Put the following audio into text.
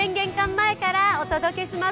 前からお届けします。